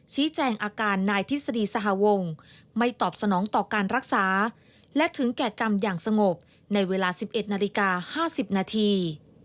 ชี้แจงอาการนายทฤษฎีสหวงไม่ตอบสนองต่อการรักษาและถึงแก่กรรมอย่างสงบในเวลา๑๑นาฬิกา๕๐นาที